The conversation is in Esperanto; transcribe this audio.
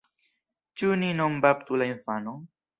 Ĉu ni nom-baptu la infanon?